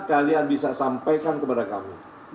kalian bisa sampaikan kepada kami